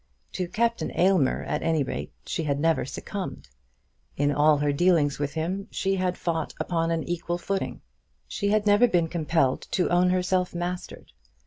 To Captain Aylmer, at any rate, she had never succumbed. In all her dealings with him she had fought upon an equal footing. She had never been compelled to own herself mastered.